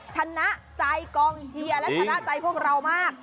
ชนะใจกองเชียร์และชนะใจพวกเรามาก